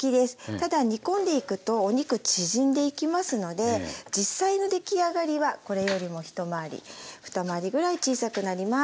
ただ煮込んでいくとお肉縮んでいきますので実際の出来上がりはこれよりも一回り二回りぐらい小さくなります。